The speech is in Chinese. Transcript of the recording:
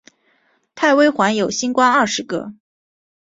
太微垣有星官二十个。